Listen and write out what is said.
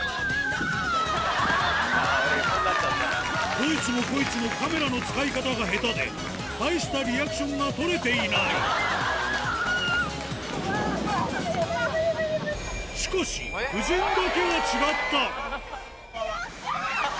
どいつもこいつもカメラの使い方が下手で大したリアクションが撮れていないしかし優雅。